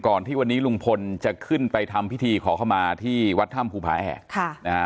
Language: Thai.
ก่อนที่วันนี้ลุงพลจะขึ้นไปทำพิธีขอเข้ามาที่วัดธรรมภูมิภาแหก